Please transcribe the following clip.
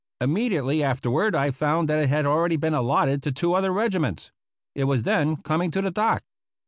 Immediately afterward I found that it had already been allotted to two other regiments. It was then coming to the dock.